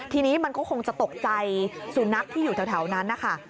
ทีนี้มันก็คงจะตกใจสุนัขที่อยู่แถวนั้นนะคะ